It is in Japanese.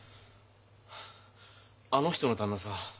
あの人の旦那さ